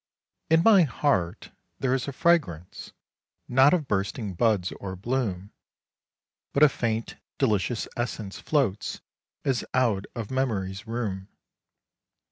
In my heart there is a fragrance not of bursting buds or bloom, But a faint delicious essence floats as out of memory's room.